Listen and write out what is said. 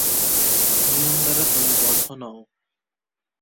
নিয়ম দ্বারা তুমি বদ্ধ নও।